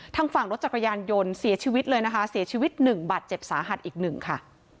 ทางฝั่งรถจักรยานยนต์เสียชีวิตเลยนะคะเสียชีวิตหนึ่งบาดเจ็บสาหัสอีกหนึ่งค่ะ